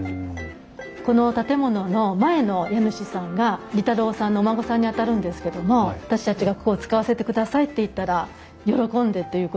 この建物の前の家主さんが利太郎さんのお孫さんにあたるんですけども私たちがここを使わせてくださいって言ったら喜んでということで。